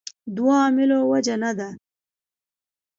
دوو عاملو وجه نه ده.